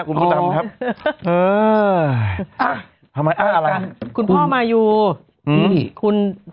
คุณผู้จำครับเอออ่ะทำไมอ่ะอะไรคุณพ่อมาอยู่อืมคุณ